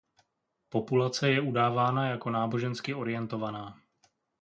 Populace je udávána jako nábožensky orientovaná.